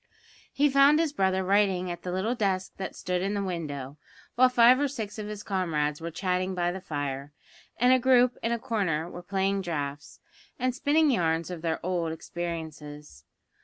He found his brother writing at the little desk that stood in the window, while five or six of his comrades were chatting by the fire, and a group in a corner were playing draughts, and spinning yarns of their old experiences.